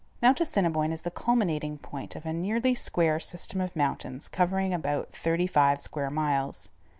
Mount Assiniboine is the culminating point of a nearly square system of mountains covering about thirty five square miles.